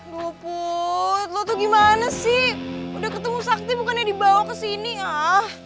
lho put lo tuh gimana sih udah ketemu sakti bukannya dibawa ke sini ah